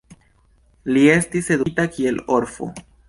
Li estis edukita kiel orfo.